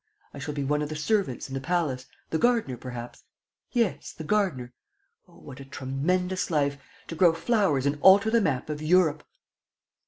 I shall be one of the servants in the palace, the gardener perhaps. ... Yes, the gardener. ... Oh, what a tremendous life! To grow flowers and alter the map of Europe!"